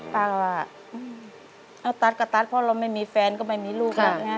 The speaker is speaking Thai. ป้าว่าตัดกับตัดเพราะเราไม่มีแฟนก็ไม่มีลูกนะ